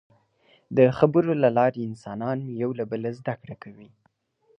د خبرو له لارې انسانان یو له بله زدهکړه کوي.